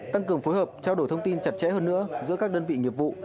tăng cường phối hợp trao đổi thông tin chặt chẽ hơn nữa giữa các đơn vị nghiệp vụ